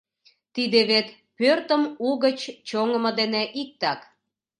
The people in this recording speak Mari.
Тиде вет... пӧртым угыч чоҥымо дене иктак.